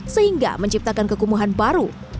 sehingga menciptakan kekumuhan baru